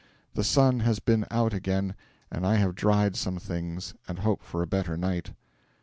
The sun has been out again, and I have dried some things, and hope for a better night.